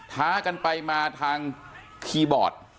ท้ากันไปมาทางคีย์บอร์ด